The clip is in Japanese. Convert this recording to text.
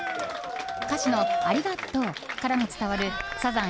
歌詞の「ありがとう！！」からも伝わるサザン